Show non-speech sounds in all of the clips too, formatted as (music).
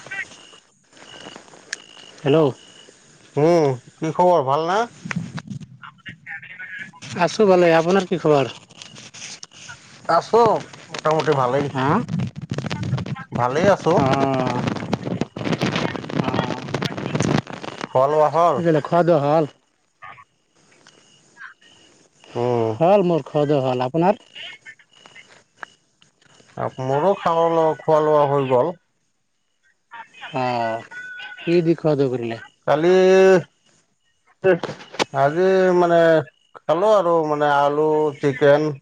আচৰিত। হেল্লৌ'। উম, কি খবৰ ভাল না? আছো ভালেই, আপোনাৰ কি খবৰ? আছো মোটামুটি ভালেই, হা ভালেই আছো। অ খোৱা লোৱা হ'ল? অ খোৱা হ'ল। উম হ'ল মোৰ। ঘৰত যে ভাল আপোনাৰ? (unintelligible) অহ' মোৰো খালো ৰ খোৱা লোৱা হৈ গ'ল। অঁ, কি দি খোৱা যাব তেনে? কালি (unintelligible) আজি মানে খালো আৰু মানে আলু, চিকেন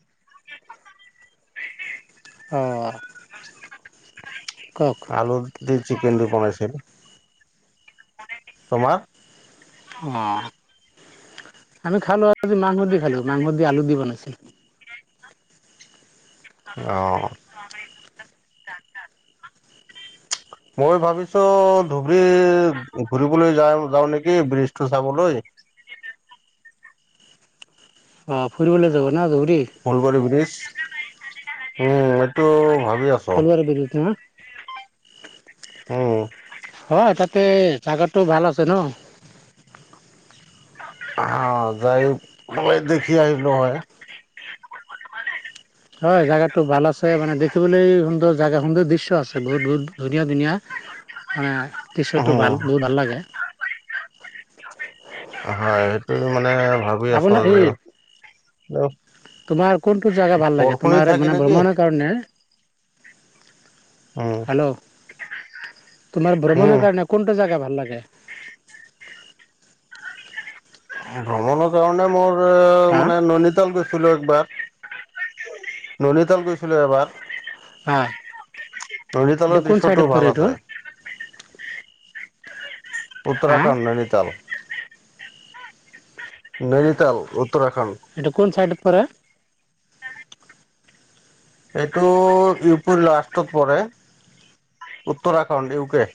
অঁ কওক। আলু দি চিকেন দি বনাইছিল। তোমাৰ? অঁ আমি খালো আজি মাংস দি খালো, মাংসৰ দি আলু দি বনাইছিল। অহ। (unintelligible) মই ভাবিছো ধুবুৰী ঘুৰিবলৈ যাওঁ যাওঁ নেকি ব্ৰিজটো চাবলৈ। অঁ, ফুৰিবলৈ যাব না ধুবুৰী? ফুলবাৰী ব্ৰীজ উম, এইটো ভাবি আছ ফলুৱাৰি ব্ৰীজ না? উম হয়, তাতে জাগাটো ভাল আছে ন'? অঁ যায় মই দেখি আহিলো হয়। হয়, জাগাটো ভাল আছে মানে দেখিবলৈ সুন্দৰ জেগা সুন্দৰ দৃশ্য আছে, বহুত বহুত ধুনীয়া ধুনীয়া। মানে দৃশটো ভাল উম বহুত ভাল লাগে। হয়, সেইটো মানে ভাবি আছো আপোনাৰ যে এই তোমাৰ কোনটো জাগা ভাল লাগে বৰষুণি তোমাৰ থাকে মানে নেকি ভ্ৰমণৰ কাৰণে? উম হেল্ল' তোমাৰ উম ভ্ৰমণৰ কাৰণে কোনটো জেগা ভাল লাগে? ভ্ৰমণৰ কাৰণে মোৰ হা মানে নৈনিতাল গৈছি ছিলো একবাৰ, ননিতল গৈছিলো এবাৰ। হয় এইটো নৈনিতালৰ কোন চাইডত দৃশ্যটো পৰে ভাল এইটো আছে। হা উত্তৰাখণ্ড ননিতাল। নৈনিতাল উত্তৰাখণ্ড। এটো কোন চাইডত পৰে? এইটো ইউ পিৰ লাষ্টত পৰে উত্তৰাখণ্ড ইউ কে।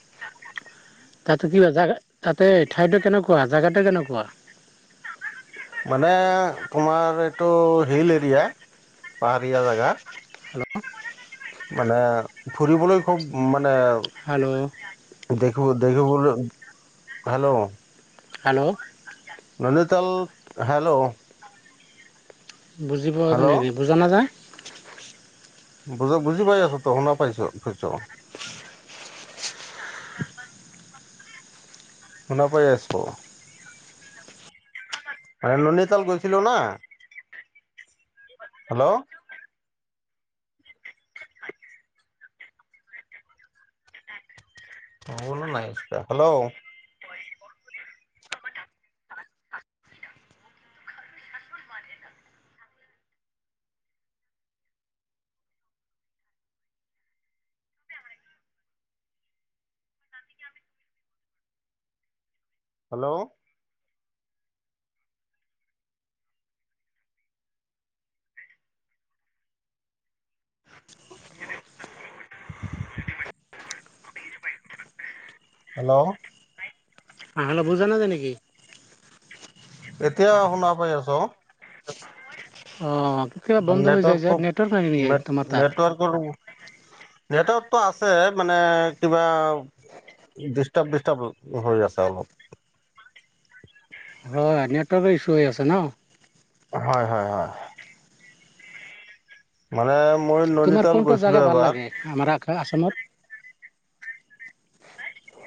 তাতে কিবা জাগা, তাতে ঠাইটো কেনেকুৱা জাগাটো কেনেকুৱা? মানে তোমাৰ এইটো হিল এৰিয়া, পাহাৰীয়া জেগা। হেল্ল'? মানে ফুৰিবলৈ খুব মানে হাল্ল'? দেখিব দেখিবলৈ হেল্ল। হেল্ল'? ননিতাল হেল্ল। বুজি পোৱা (unintelligible) হেল্ল' বুজা নাযায়। বুজা বুজি পাই আছোঁ ত শুনা পাইছোঁ কৈছোঁ। শুনা পাই আছোঁ। এ ননিতাল গৈছিলো না, হেল্ল'। (inaudible) অঁ শুনা নাই, হেল্ল'। হেল্ল? (inaudible) হেল্ল'। অ' হেল্ল' বুজা নাযায় নেকি? এতিয়া শুনা পাই আছোঁ। অ' কেতিয়াবা বন্ধ হৈ যায় যে নেটৱৰ্ক নাই নেকি তোমাৰ তাত? (unintelligible) নেটৱৰ্কটো আছে মানে কিবা ডিষ্টাৰ্ব ডিষ্টাৰ্ব হৈ আছে অলপ। হয় নেটৱৰ্কৰ ইছ্যু হৈ আছে ন'। হয় হয় হয়। মানে মই ননীতাল গৈছিলো এবাৰ। আমাৰাক আ-আছামত।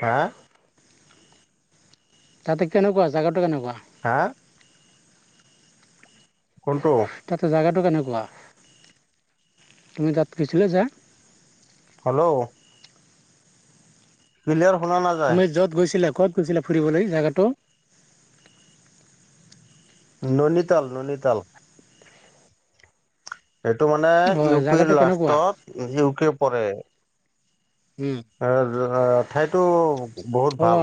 হা? তাতে কেনেকুৱা জেগাটো কেনেকুৱা? হা? কোনটো? তাতে জেগাটো কেনেকুৱা? তুমি তাত গৈছিলে যে? হেল্ল'। কিলিয়াৰ শুনা না তুমি য'ত গৈছিলা কত গৈছিলা ফুৰিবলৈ জাগাটো? ননীতাল, ননীতাল। সেইটো মানে ইউ হয় পি জেগাটো কেনেকুৱা লাষ্টত ইউ কে পৰে। উম এ (unintelligible) ঠাইতো বহুত অ ভাল।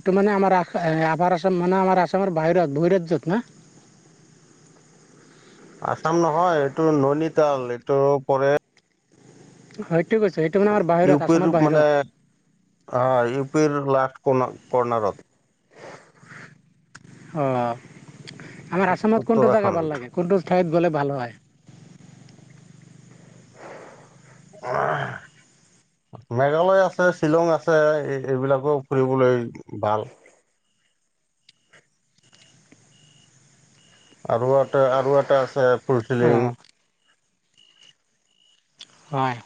এইটো মানে আমাৰ আস এ আপাৰ আছাম মানে আমাৰ আছামৰ বাহিৰত বহিৰাজ্যত না? আছাম নহয় এইটো ননিতাল এইটো পৰে হয়টো কৈছ সেইটো মানে আমাৰ ইউ বাহিৰত পিৰ আছামৰ মানে বাহিৰত। অ' ইউ পিৰ লাষ্ট কন কৰ্নাৰত। অ', আমাৰ আছামত কোনটো জাগা উত্তৰাখণ্ড ভাল লাগে? কোনটো ঠাইত গ'লে ভাল হয়? (unintelligible) মেঘালয় আছে, শ্বিলং আছে এ এইবিলাকো ফুৰিবলৈ ভাল। আৰু এটা আৰু এটা আছে ফুল অ ফিলিং। হয়।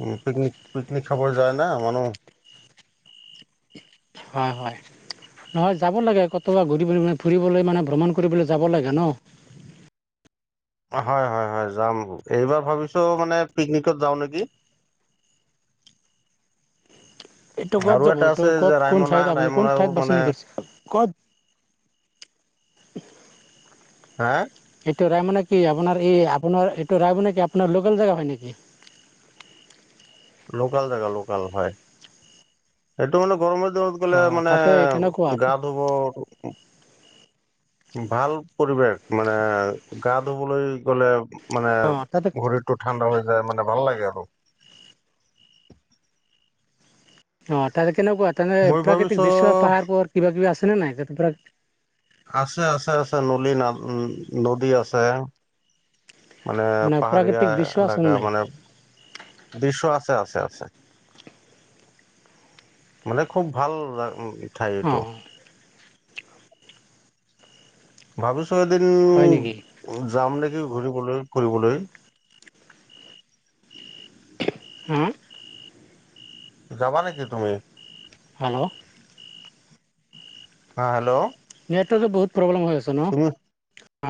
উম পিকনিক, পিকনিক খাব যায় না মানুহ। হয় হয়। নহয় যাব লাগে ক'তবা ঘূৰি ফুৰি মানে ফুৰিবলৈ মানে ভ্ৰমণ কৰিবলৈ যাব লাগে ন'। অ হয় হয় হয় যাম, এইবাৰ ভাবিছো মানে পিকনিকত যাও নেকি? এইটো ক'ত আৰু যাব এটা এইটো আছে যে ক'ত কোন ৰায়মনা ঠাইত আপুনি কোন ৰায়মনাও ঠাইত মানে বাছনি কৰিছে ক'ত (inaudible) হা? এইটো ৰায় মানে কি আপোনাৰ এই আপোনাৰ এইটো ৰায় মানে কি আপোনাৰ লোকেল জেগা হয় নেকি? লোকাল জেগা লোকাল হয়, এইটো মানে গৰমৰ দিনত অ গলে মানে তাতে কেনেকুৱা গা ধুব ভাল পৰিৱেশ মানে গা ধুবলৈ গ'লে মানে অ তাতে ভৰি টো ঠাণ্ডা হৈ যায় মানে ভাল লাগে আকৌ। অ' তাতে কেনেকুৱা তেনে মই প্ৰাকৃতিক ভাবিছো দৃশ্য, পাহাৰ পোহোৰ কিবা কিবি আছেনে নাই তাতে প্ৰা আছে আছে আছে নলী ন উম নদী আছে। মানে পাহাৰীয়া প্ৰাকৃতিক দৃশ্য আছেনে এলেকা নাই মানে দৃশ্য আছে আছে আছে। মানে খুব ভাল (unintelligible) ঠাই অ এইটো। ভাবিছো এদিন হয় নেকি যাম নেকি ঘুৰিবলৈ ফুৰিবলৈ? হাঁ? যাবা নেকি তুমি? হেল্লৌ' অঁ হেল্লৌ' নেটৱৰ্কে বহুত প্ৰব্লেম হৈ আছে ন? অ